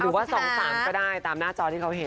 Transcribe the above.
หรือว่า๒๓ก็ได้ตามหน้าจอที่เขาเห็น